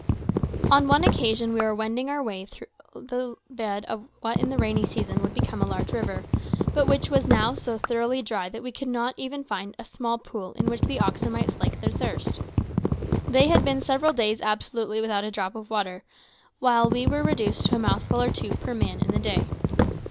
On one occasion we were wending our way slowly along the bed of what in the rainy season would become a large river, but which was now so thoroughly dry that we could not find even a small pool in which the oxen might slake their thirst. They had been several days absolutely without a drop of water, while we were reduced to a mouthful or two per man in the day.